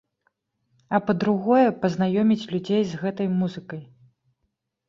А па-другое, пазнаёміць людзей з гэтай музыкай.